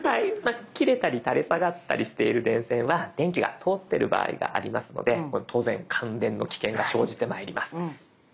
切れたり垂れ下がったりしている電線は電気が通ってる場合がありますのでこれ当然感電の危険が生じてまいります。